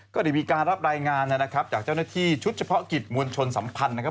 ก็ได้มีการรับรายงานนะครับจากเจ้าหน้าที่ชุดเฉพาะกิจมวลชนสัมพันธ์นะครับ